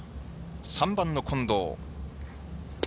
３番の近藤。